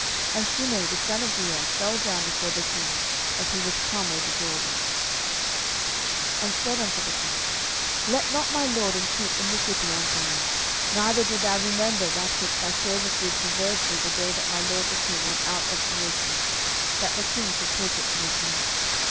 And Shimei the son of Gera fell down before the king, as he was come over Jordan; 10:019:019 And said unto the king, Let not my lord impute iniquity unto me, neither do thou remember that which thy servant did perversely the day that my lord the king went out of Jerusalem, that the king should take it to his heart.